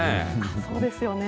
そうですよね。